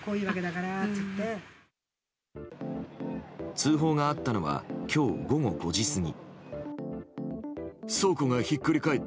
通報があったのは今日午後５時過ぎ。